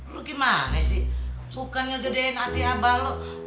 lo gimana sih bukan ngegedein hati abah lu